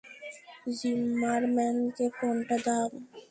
যিম্মারম্যানকে ফোনটা দাও।